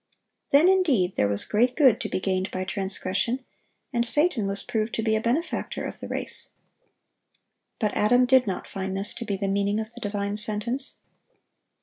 Then indeed there was great good to be gained by transgression, and Satan was proved to be a benefactor of the race. But Adam did not find this to be the meaning of the divine sentence.